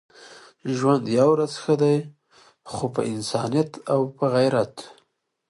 ژوند يوه ورځ ښه دی خو په انسانيت او په غيرت.